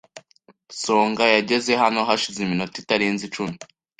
Songa yageze hano hashize iminota itarenze icumi.